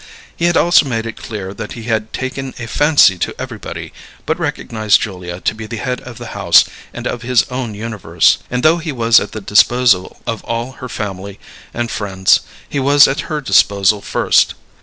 He had also made it clear that he had taken a fancy to everybody, but recognized Julia to be the head of the house and of his own universe; and though he was at the disposal of all her family and friends, he was at her disposal first.